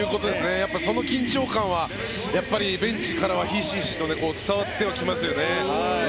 その緊張感はベンチからはひしひしと伝わってはきますよね。